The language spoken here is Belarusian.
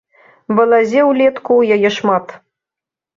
Балазе ўлетку яе шмат.